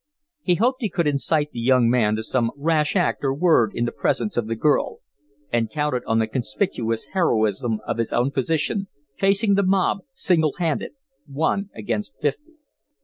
He hoped he could incite the young man to some rash act or word in the presence of the girl, and counted on the conspicuous heroism of his own position, facing the mob single handed, one against fifty.